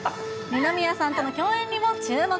二宮さんとの共演にも注目。